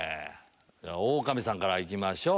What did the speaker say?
オオカミさんから行きましょう。